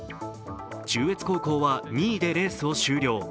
中越高校は２位でレースを終了。